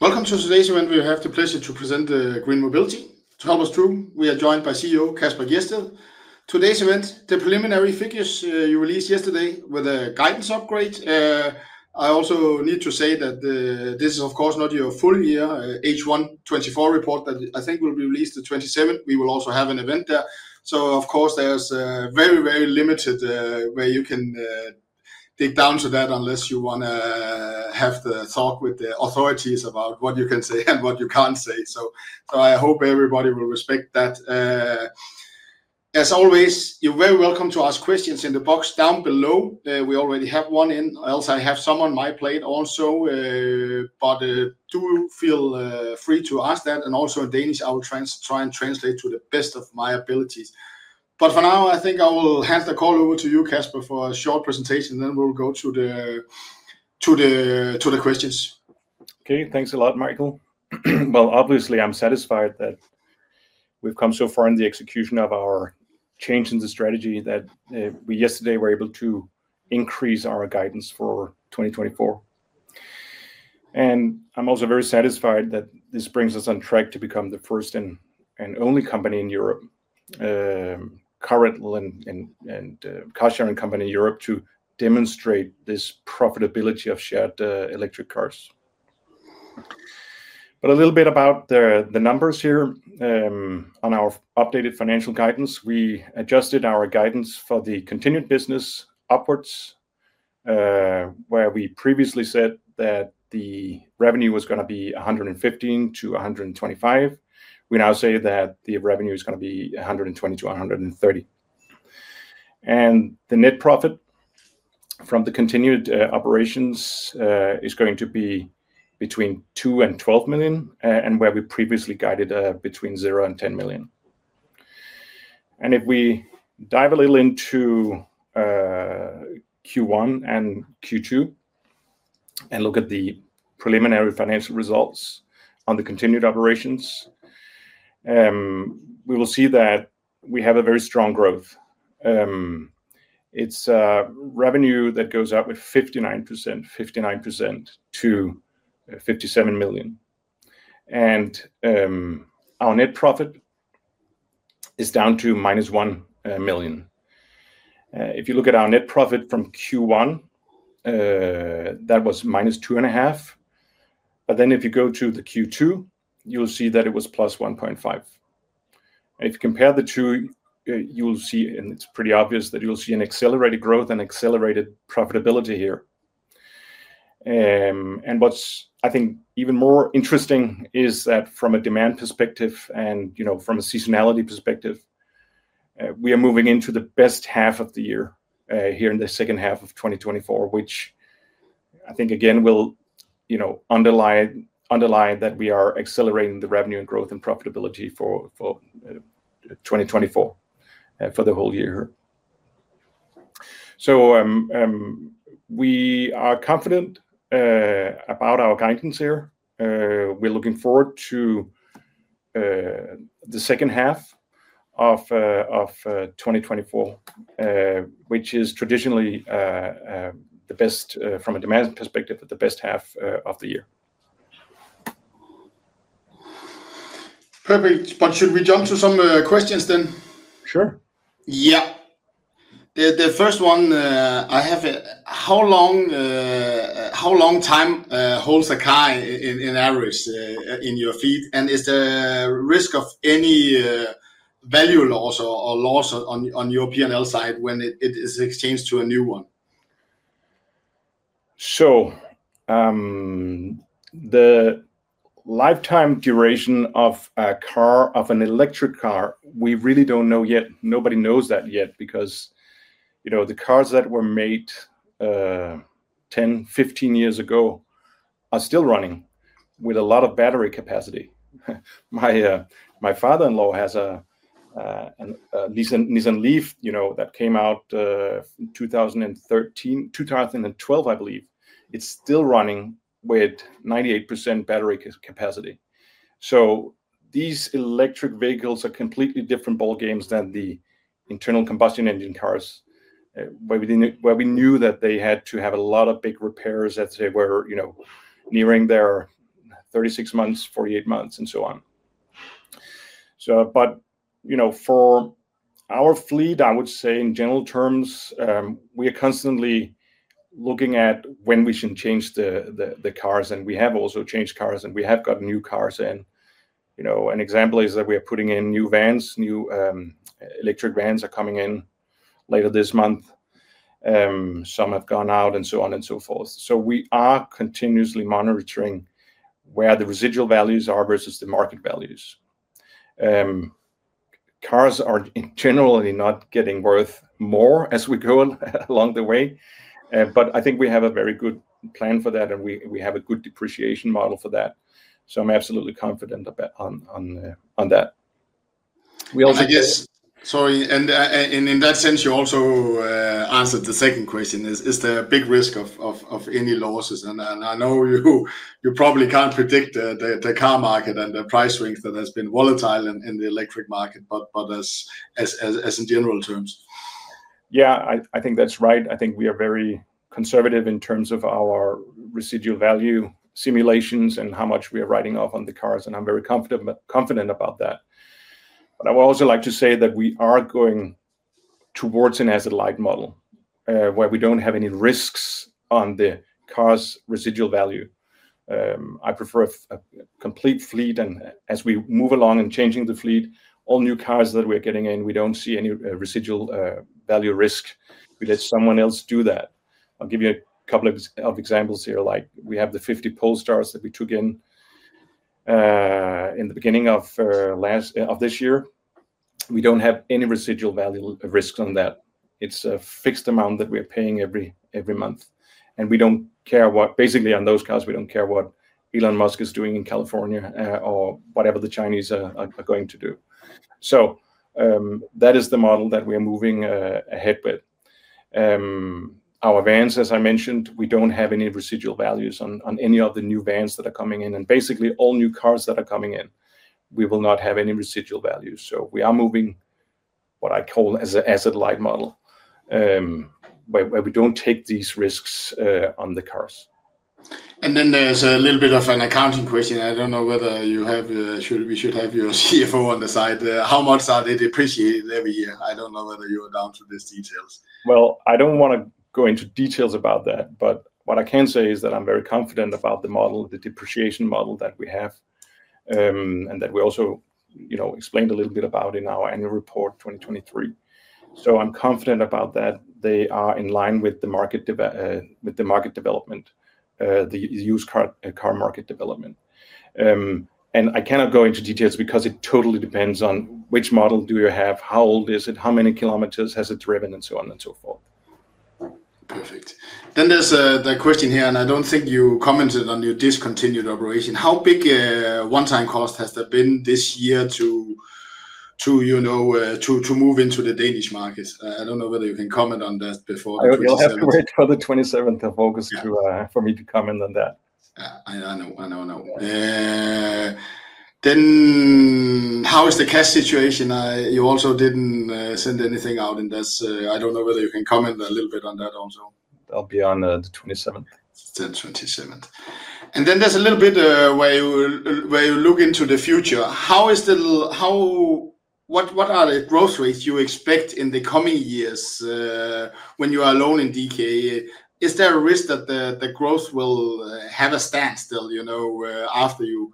Welcome to today's event. We have the pleasure to present GreenMobility. To help us through, we are joined by CEO Kasper Gjedsted. Today's event, the preliminary figures you released yesterday with a guidance upgrade. I also need to say that this is of course not your full-year H1 2024 report that I think will be released the 27th. We will also have an event there. Of course there's very, very limited where you can dig down to that unless you wanna have the talk with the authorities about what you can say and what you can't say. I hope everybody will respect that. As always, you're very welcome to ask questions in the box down below. We already have one in. Also, I have some on my plate also. Do feel free to ask that. Also in Danish I will try and translate to the best of my abilities. For now, I think I will hand the call over to you, Kasper, for a short presentation, then we'll go to the questions. Okay. Thanks a lot, Michael. Well, obviously I'm satisfied that we've come so far in the execution of our change in the strategy that we yesterday were able to increase our guidance for 2024. I'm also very satisfied that this brings us on track to become the first and only company in Europe, current and car-sharing company in Europe to demonstrate this profitability of shared electric cars. A little bit about the numbers here. On our updated financial guidance, we adjusted our guidance for the continued business upwards, where we previously said that the revenue was gonna be 115-125. We now say that the revenue is gonna be 120-130. The net profit from the continued operations is going to be between 2 million and 12 million, and where we previously guided between 0 and 10 million. If we dive a little into Q1 and Q2 and look at the preliminary financial results on the continued operations, we will see that we have a very strong growth. It's revenue that goes up with 59% to 57 million. Our net profit is down to -1 million. If you look at our net profit from Q1, that was -2 and a half million. If you go to the Q2, you'll see that it was +1.5 million. If you compare the two, you will see, and it's pretty obvious that you'll see an accelerated growth and accelerated profitability here. What's, I think even more interesting is that from a demand perspective and, you know, from a seasonality perspective, we are moving into the best half of the year here in the second half of 2024, which I think again, will, you know, underline that we are accelerating the revenue and growth and profitability for 2024 for the whole year. We are confident about our guidance here. We're looking forward to the second half of 2024, which is traditionally the best from a demand perspective, the best half of the year. Perfect. Should we jump to some questions then? Sure. Yeah. The first one, I have, how long time holds a car in average in your fleet? Is there risk of any value loss or loss on your P&L side when it is exchanged to a new one? The lifetime duration of a car, of an electric car, we really don't know yet. Nobody knows that yet because, you know, the cars that were made, 10, 15 years ago are still running with a lot of battery capacity. My father-in-law has a Nissan Leaf, you know, that came out in 2012, I believe. It's still running with 98% battery capacity. These electric vehicles are completely different ballgames than the internal combustion engine cars, where we knew that they had to have a lot of big repairs as they were, you know, nearing their 36 months, 48 months and so on. You know, for our fleet, I would say in general terms, we are constantly looking at when we should change the cars, and we have also changed cars, and we have got new cars in. You know, an example is that we are putting in new vans, new, electric vans are coming in later this month. Some have gone out, and so on and so forth. We are continuously monitoring where the residual values are versus the market values. Cars are generally not getting worth more as we go along the way, I think we have a very good plan for that, and we have a good depreciation model for that, so I'm absolutely confident on, on that. We also. ...and in that sense you also answered the second question, is there a big risk of any losses? I know you probably can't predict the car market and the price range that has been volatile in the electric market, but as in general terms. I think that's right. I think we are very conservative in terms of our residual value simulations and how much we are writing off on the cars, and I'm very confident about that. I would also like to say that we are going towards an asset-light model, where we don't have any risks on the cars' residual value. I prefer a complete fleet, and as we move along in changing the fleet, all new cars that we're getting in, we don't see any residual value risk. We let someone else do that. I'll give you a couple of examples here, like we have the 50 Polestars that we took in in the beginning of last, of this year. We don't have any residual value risks on that. It's a fixed amount that we're paying every month, and we don't care what basically on those cars, we don't care what Elon Musk is doing in California, or whatever the Chinese are going to do. That is the model that we're moving ahead with. Our vans, as I mentioned, we don't have any residual values on any of the new vans that are coming in, and basically all new cars that are coming in, we will not have any residual values. We are moving what I call as a asset-light model, where we don't take these risks on the cars. There's a little bit of an accounting question. I don't know whether you have, we should have your CFO on the side. How much are they depreciating every year? I don't know whether you are down to these details. I don't wanna go into details about that, but what I can say is that I'm very confident about the model, the depreciation model that we have, and that we also, you know, explained a little bit about in our annual report 2023. I'm confident about that. They are in line with the market development, the used car market development. I cannot go into details because it totally depends on which model do you have, how old is it, how many kilometers has it driven, and so on and so forth. Perfect. There's the question here, and I don't think you commented on your discontinued operation. How big a one-time cost has there been this year to, you know, to move into the Danish markets? I don't know whether you can comment on that before the 27th? You'll have to wait for the 27th of August to, for me to comment on that. I know. I know, I know. How is the cash situation? You also didn't send anything out, and that's... I don't know whether you can comment a little bit on that also. That'll be on the 27th. The 27th. Then there's a little bit where you look into the future. What are the growth rates you expect in the coming years when you are alone in DK? Is there a risk that the growth will have a standstill, you know, after you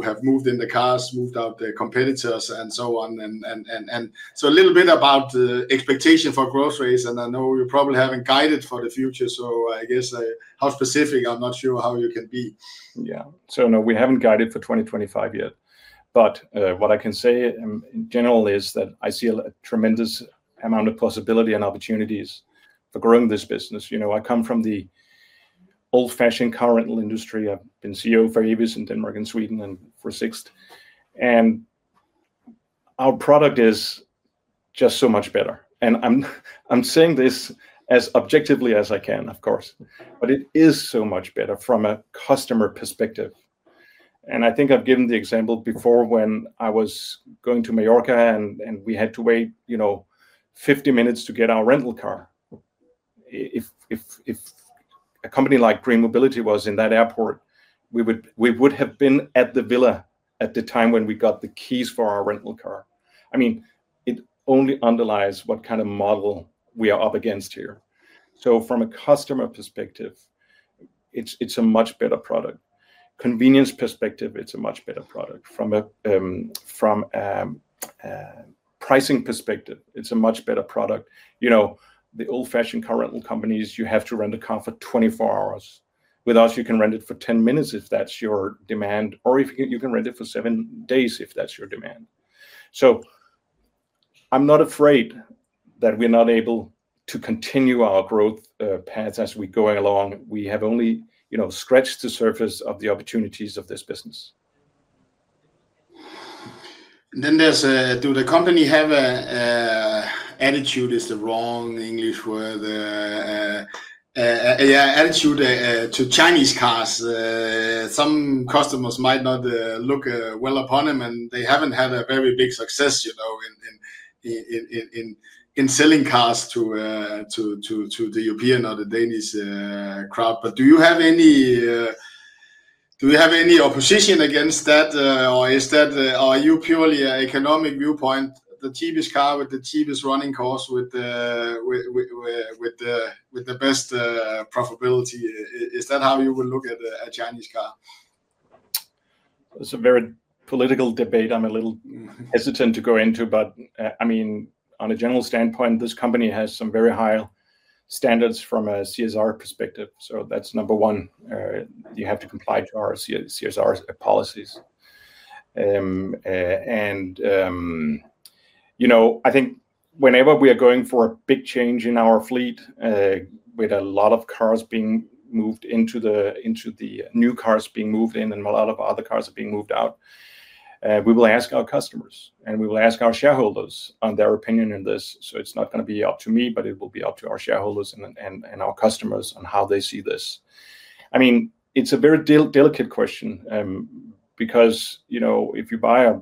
have moved in the cars, moved out the competitors, and so on? A little bit about the expectation for growth rates, and I know you probably haven't guided for the future, so I guess how specific, I'm not sure how you can be. Yeah. No, we haven't guided for 2025 yet, but what I can say in general is that I see a tremendous amount of possibility and opportunities for growing this business. You know, I come from the old-fashioned car rental industry. I've been CEO for Avis in Denmark and Sweden and for Sixt, our product is just so much better. I'm saying this as objectively as I can, of course, but it is so much better from a customer perspective. I think I've given the example before when I was going to Mallorca, and we had to wait, you know, 50 minutes to get our rental car. If a company like GreenMobility was in that airport, we would have been at the villa at the time when we got the keys for our rental car. I mean, it only underlies what kind of model we are up against here. From a customer perspective, it's a much better product. Convenience perspective, it's a much better product. From a pricing perspective, it's a much better product. You know, the old-fashioned car rental companies, you have to rent a car for 24 hours. With us, you can rent it for 10 minutes if that's your demand, or you can rent it for seven days if that's your demand. I'm not afraid that we're not able to continue our growth paths as we're going along. We have only, you know, scratched the surface of the opportunities of this business. There's, do the company have a attitude, is the wrong English word. A attitude to Chinese cars? Some customers might not, look, well upon them, and they haven't had a very big success, you know, in selling cars to the European or the Danish crowd. Do you have any, do you have any opposition against that? Or is that, are you purely economic viewpoint, the cheapest car with the cheapest running costs with the best profitability? Is that how you will look at a Chinese car? It's a very political debate I'm a little hesitant to go into, but, I mean, on a general standpoint, this company has some very high standards from a CSR perspective, so that's number one. You have to comply to our CSR policies. You know, I think whenever we are going for a big change in our fleet, with a lot of cars being moved into the new cars being moved in and a lot of other cars are being moved out, we will ask our customers, and we will ask our shareholders on their opinion on this. It's not gonna be up to me, but it will be up to our shareholders and our customers on how they see this. I mean, it's a very delicate question. You know, if you buy a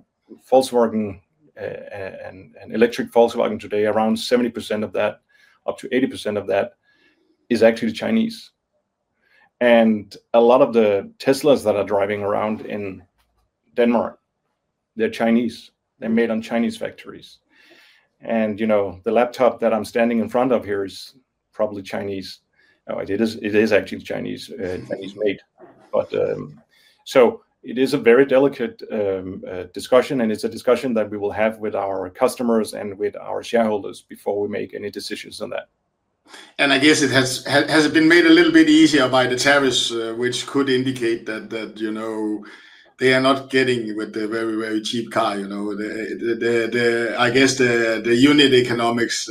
Volkswagen, an electric Volkswagen today, around 70% of that, up to 80% of that is actually Chinese. A lot of the Teslas that are driving around in Denmark, they're Chinese. They're made in Chinese factories. You know, the laptop that I'm standing in front of here is probably Chinese. Oh, it is, it is actually Chinese-made. It is a very delicate discussion, and it's a discussion that we will have with our customers and with our shareholders before we make any decisions on that. I guess it has been made a little bit easier by the tariffs, which could indicate that, you know, they are not getting with the very cheap car, you know. The, I guess the unit economics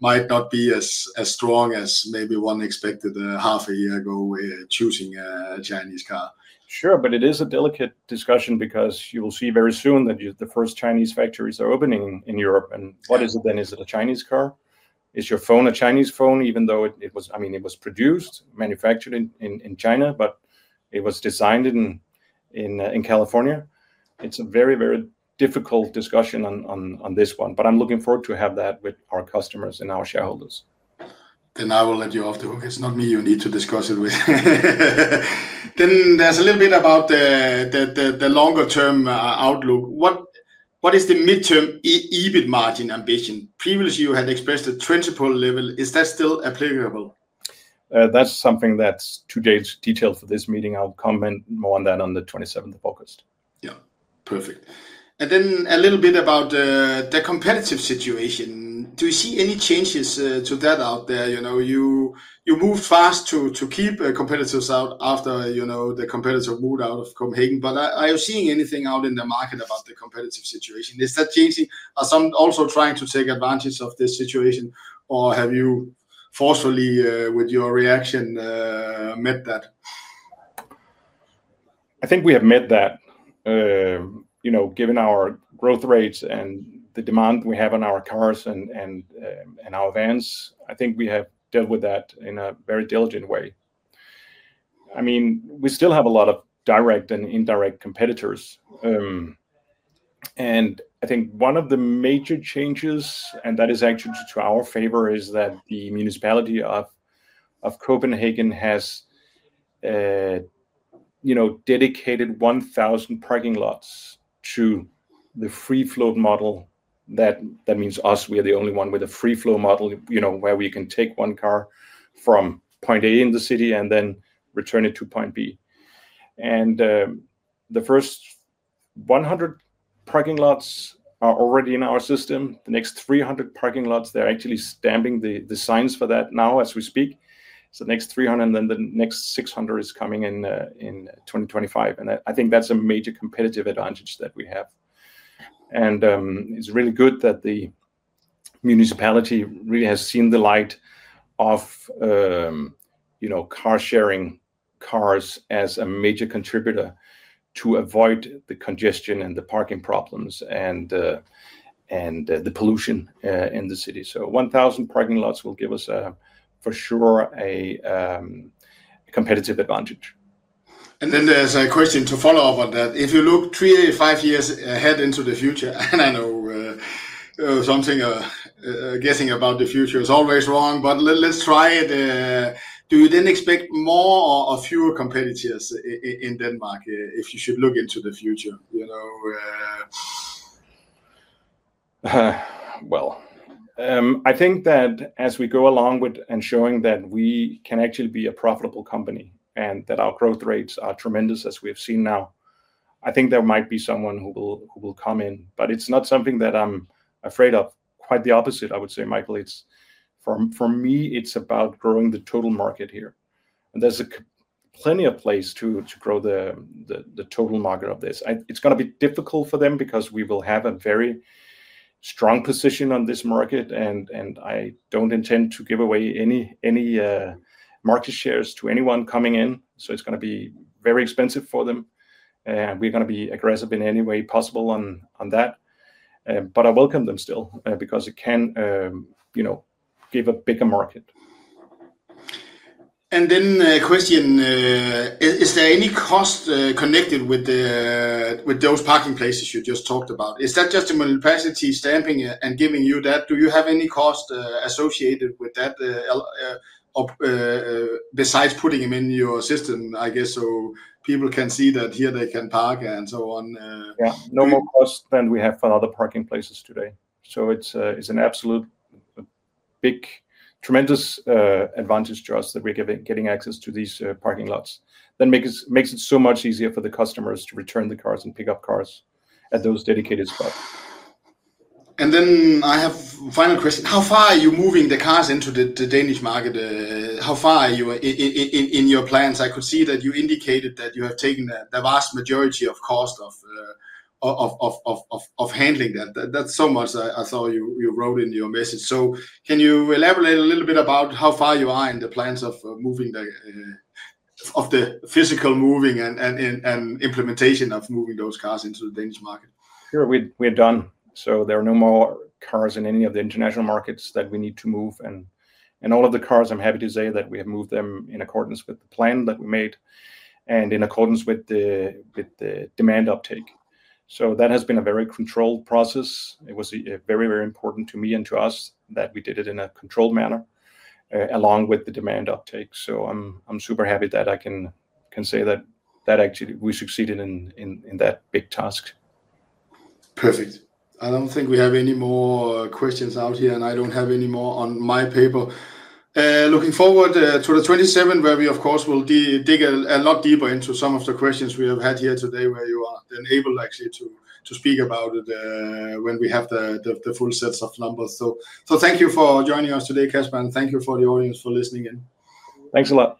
might not be as strong as maybe one expected half a year ago choosing a Chinese car. Sure. It is a delicate discussion because you will see very soon that the first Chinese factories are opening in Europe. Yeah. What is it then? Is it a Chinese car? Is your phone a Chinese phone, even though it was... I mean, it was produced, manufactured in China, but it was designed in California. It's a very, very difficult discussion on this one, but I'm looking forward to have that with our customers and our shareholders. I will let you off the hook. It's not me you need to discuss it with. There's a little bit about the longer term outlook. What is the midterm EBIT margin ambition? Previously, you had expressed a 20-point level. Is that still applicable? That's something that's too detailed for this meeting. I'll comment more on that on the 27th of August. Yeah. Perfect. A little bit about the competitive situation. Do you see any changes to that out there? You know, you move fast to keep competitors out after, you know, the competitor moved out of Copenhagen, are you seeing anything out in the market about the competitive situation? Is that changing? Are some also trying to take advantage of this situation, or have you forcefully with your reaction met that? I think we have met that. You know, given our growth rates and the demand we have on our cars and our vans, I think we have dealt with that in a very diligent way. I mean, we still have a lot of direct and indirect competitors. I think one of the major changes, and that is actually to our favor, is that the municipality of Copenhagen has, you know, dedicated 1,000 parking lots to the free-flow model. That means us, we are the only one with a free-flow model, you know, where we can take one car from point A in the city and then return it to point B. The first 100 parking lots are already in our system. The next 300 parking lots, they're actually stamping the signs for that now as we speak. The next 300, and then the next 600 is coming in in 2025. I think that's a major competitive advantage that we have. It's really good that the municipality really has seen the light of, you know, car-sharing cars as a major contributor to avoid the congestion and the parking problems and the pollution in the city. 1,000 parking lots will give us a, for sure, a competitive advantage. Then there's a question to follow up on that. If you look three to five years ahead into the future, and I know something guessing about the future is always wrong, but let's try it. Do you then expect more or fewer competitors in Denmark, if you should look into the future? You know? Well, I think that as we go along with ensuring that we can actually be a profitable company and that our growth rates are tremendous as we have seen now, I think there might be someone who will come in, but it's not something that I'm afraid of. Quite the opposite, I would say, Michael. For me, it's about growing the total market here, and there's plenty of place to grow the total market of this. It's gonna be difficult for them because we will have a very strong position on this market, and I don't intend to give away any market shares to anyone coming in, so it's gonna be very expensive for them. We're gonna be aggressive in any way possible on that. I welcome them still, because it can, you know, give a bigger market. A question, is there any cost connected with the, with those parking places you just talked about? Is that just a municipality stamping and giving you that? Do you have any cost associated with that, besides putting them in your system, I guess, so people can see that here they can park and so on. Yeah. Do you- No more cost than we have for other parking places today. It's an absolute big, tremendous advantage to us that we're getting access to these parking lots that makes it so much easier for the customers to return the cars and pick up cars at those dedicated spots. I have final question. How far are you moving the cars into the Danish market? How far are you in your plans? I could see that you indicated that you have taken the vast majority of cost of handling that. That's so much I saw you wrote in your message. Can you elaborate a little bit about how far you are in the plans of moving the physical moving and implementation of moving those cars into the Danish market? Sure. We're done. There are no more cars in any of the international markets that we need to move. All of the cars, I'm happy to say that we have moved them in accordance with the plan that we made and in accordance with the demand uptake. That has been a very controlled process. It was very important to me and to us that we did it in a controlled manner along with the demand uptake. I'm super happy that I can say that that actually we succeeded in that big task. Perfect. I don't think we have any more questions out here, and I don't have any more on my paper. Looking forward to the 27th, where we of course will dig a lot deeper into some of the questions we have had here today, where you are then able actually to speak about it, when we have the full sets of numbers. Thank you for joining us today, Kasper, and thank you for the audience for listening in. Thanks a lot.